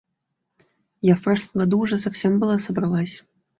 Я в прошлом году уже совсем было собралась.